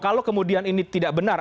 kalau kemudian ini tidak benar